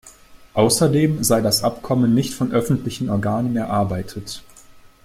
Außerdem sei das Abkommen nicht von öffentlichen Organen erarbeitet.